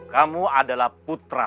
kamu adalah putra sahabatku